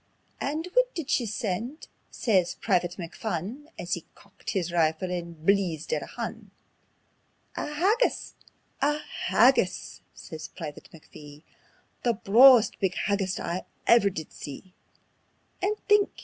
"And whit did she send ye?" says Private McPhun, As he cockit his rifle and bleezed at a Hun. "A haggis! A HAGGIS!" says Private McPhee; "The brawest big haggis I ever did see. And think!